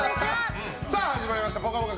始まりました「ぽかぽか」